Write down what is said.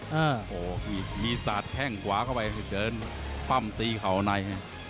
โหมีสัตว์แข่งขวาเข้าไปเดินปั้มตีเขาใน